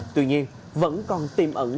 tuy nhiên vẫn còn tìm ẩn